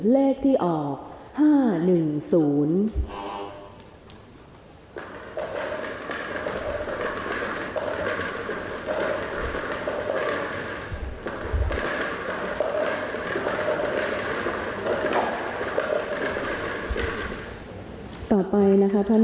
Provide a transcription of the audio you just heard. รางวัลเลขหน้า๓ตัวออกไปครบแล้ว๒ครั้งนะคะ